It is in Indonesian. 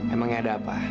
emangnya ada apa